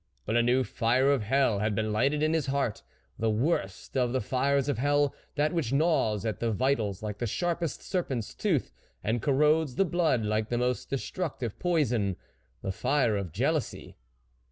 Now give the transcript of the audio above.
But a new fire of hell had been lighted in his heart, the worst of the fires of hell ; that which gnaws at the vitals like the sharpest serpent's tooth, and corrodes the blood like the most destructive poison the fire of jealousy.